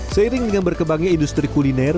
seiring dengan berkembangnya industri kuliner